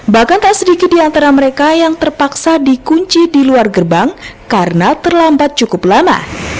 bahkan tak sedikit di antara mereka yang terpaksa dikunci di luar gerbang karena terlambat cukup lama